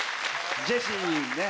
ジェシーにね。